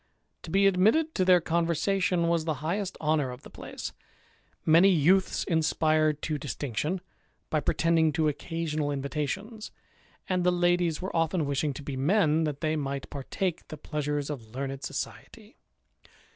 To be admitted to their conversation was the highest honour of the place; many youths inspired to distinction, by pretending to occasional invitations ; and the ladies were often wishing to be men, that they might par take the pleasures of learned society.